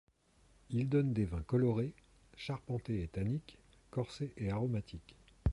Il donne des vins colorés, charpentés et tanniques, corsé et aromatique.